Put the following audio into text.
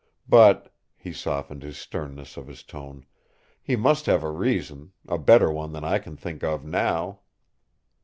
But," he softened the sternness of his tone, "he must have a reason, a better one than I can think of now."